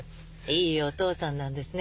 いいお父さんなんですね